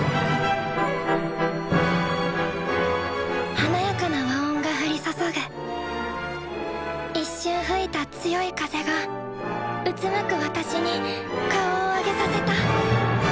華やかな和音が降り注ぐ一瞬吹いた強い風がうつむく私に顔を上げさせた。